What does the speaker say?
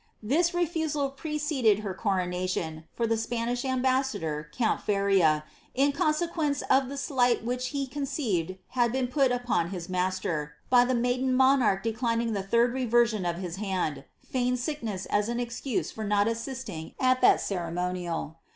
This refusal preceded her coronation, for the Spanish am bassador, count Feria, in consequence of the slight which he conceived had been put upon his master, by the maiden monarch declining the third reveraion of hil hand, feigned sickness as an excuse for not as aisting at that ceremonial.